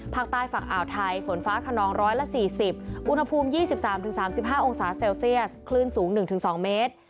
ภาคใต้ฝั่งอ่าวไทยฝนฟ้าขนอง๑๔๐อุณหภูมิ๒๓๓๕องศาเซลเซียสคลื่นสูง๑๒เมตร